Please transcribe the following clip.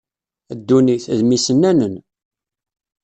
Ddunit, d mm isennanen.